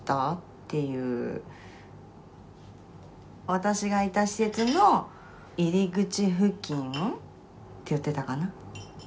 私がいた施設の入り口付近って言ってたかな。